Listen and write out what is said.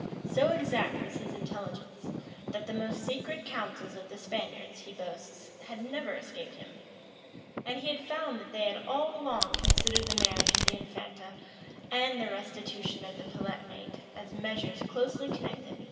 So exact was his intelligence, that the most secret counsels of the Spaniards, he boasts, had never escaped him;[] and he found that they had all along considered the marriage of the infanta and the restitution of the Palatinate as measures closely connected, or altogether inseparable.